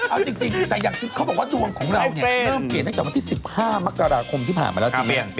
เอาจริงแต่อย่างเขาบอกว่าดวงของเราเนี่ยไม่ต้องเปลี่ยนตั้งแต่วันที่๑๕มกราคมที่ผ่านมาแล้วจริง